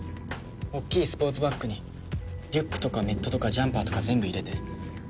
大きいスポーツバッグにリュックとかメットとかジャンパーとか全部入れて。